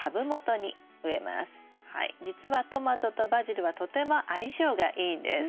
じつはトマトとバジルはとても相性がいいんです。